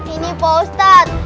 ini pak ustaz